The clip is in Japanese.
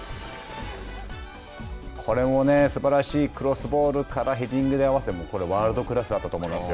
これもすばらしいクロスボールからヘディングで合わせてこれはワールドクラスだったと思います。